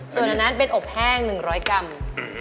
ส่วนอันนั้นเป็นอบแห้ง๑๐๐กรัม